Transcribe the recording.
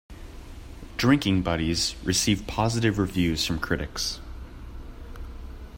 "Drinking Buddies" received positive reviews from critics.